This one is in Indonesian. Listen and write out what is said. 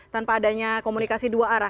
tanpa adanya komunikasi dua arah